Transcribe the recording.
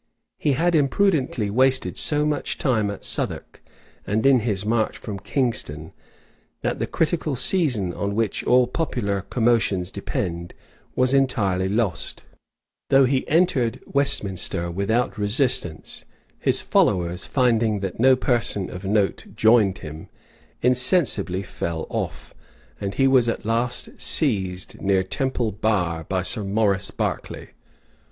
He had imprudently wasted so much time at Southwark, and in his march from Kingston, that the critical season, on which all popular commotions depend, was entirely lost: though he entered Westminster without resistance, his followers, finding that no person of note joined him, insensibly fell off, and he was at last seized near Temple Bar by Sir Maurice Berkeley.